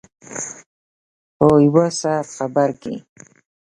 په یو ساعت خبر کې.